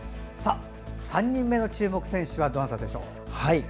３人目の注目選手はどなたでしょう？